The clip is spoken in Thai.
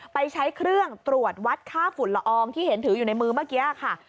ไปใช้เครื่องตรวจวัดค่าฝุ่นละอองที่เห็นถืออยู่ในมือเมื่อกี้ค่ะ